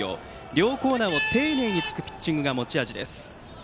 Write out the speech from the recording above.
両コーナーを丁寧に突くピッチングが持ち味です。